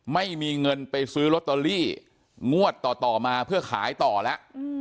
ไม่มีเงินไปซื้อลอตเตอรี่งวดต่อมาเพื่อขายต่อแล้ว